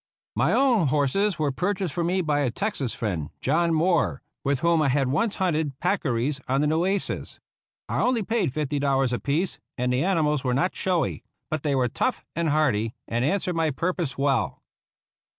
My own horses were purchased for me by a Texas friend, John Moore, with whom I had once hunted peccaries on the Nueces. I only paid fifty dollars apiece, and the animals were not showy ; but they were tough and hardy, and an swered my purpose well.